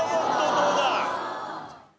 どうだ？